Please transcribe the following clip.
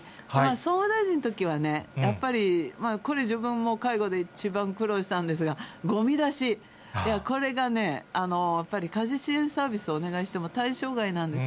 総務大臣のときはやっぱりこれ、自分も介護で一番苦労したんですが、ごみ出し、これがね、やっぱり家事支援サービスをお願いしても対象外なんです。